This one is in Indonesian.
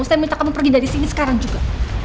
saya minta kamu pergi dari sini sekarang juga